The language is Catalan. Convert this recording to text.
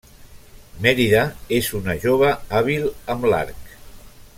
Mèrida és una jove hàbil amb l'arc.